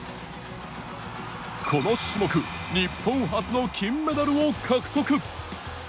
この種目日本初の金メダルを獲得。